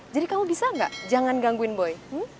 jadi kamu bisa gak jangan gangguin boy